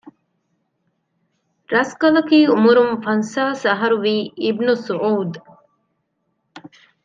ރަސްކަލަކީ އުމުރުން ފަންސާސް ހަ އަހަރުވީ އިބްނު ސުޢޫދު